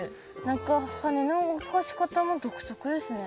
何か羽の動かし方も独特ですね。